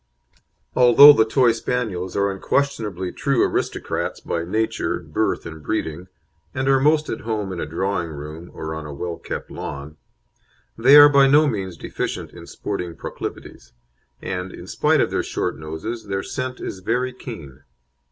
Although the Toy Spaniels are unquestionably true aristocrats by nature, birth, and breeding, and are most at home in a drawing room or on a well kept lawn, they are by no means deficient in sporting proclivities, and, in spite of their short noses, their scent is very keen.